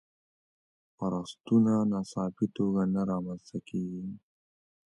فرصتونه ناڅاپي توګه نه رامنځته کېږي.